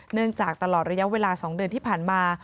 เนื่องจากตลอดระยะเวลา๒เดือนที่ผ่านมา